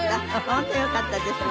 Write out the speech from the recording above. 本当よかったです。